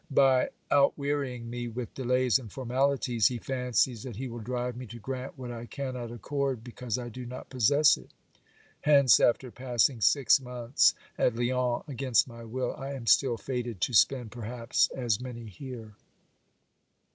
By outwearying me with delays and formalities, he fancies that he will drive me to grant what I cannot accord because I do not possess it. Hence, after passing six months at Lyons against my will, I am still fated to spend perhaps as many here.